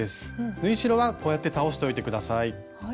縫い代はこうやって倒しておいて下さい。